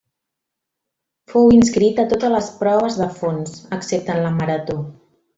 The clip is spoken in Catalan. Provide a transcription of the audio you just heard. Fou inscrit a totes les proves de fons, excepte en la marató.